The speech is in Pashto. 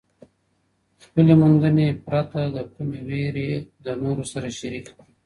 خپلې موندنې پرته له کومې وېرې له نورو سره شریکې کړئ.